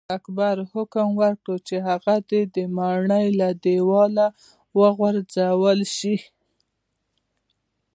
اکبر حکم وکړ چې هغه دې د ماڼۍ له دیواله وغورځول شي.